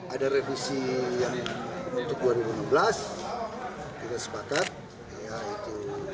ada revisi yang untuk dua ribu enam belas tidak sepakat